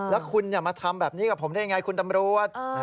แล้วคุณมาทำแบบนี้กับผมได้ยังไงคุณตำรวจ